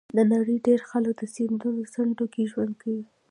د نړۍ ډېری خلک د سیندونو څنډو کې ژوند کوي.